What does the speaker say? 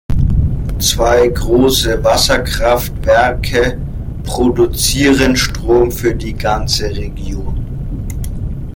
Zwei große Wasserkraftwerke produzieren Strom für die ganze Region.